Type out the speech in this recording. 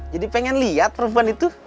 jadi pengen lihat perubahan itu